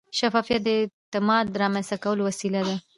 شفافیت د اعتماد رامنځته کولو وسیله ده.